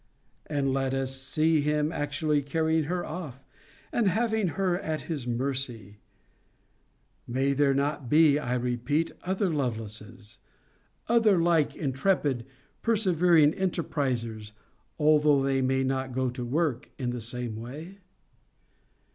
And let us see him actually carrying her off, and having her at his mercy 'May there not be, I repeat, other Lovelaces; other like intrepid, persevering enterprizers; although they may not go to work in the same way?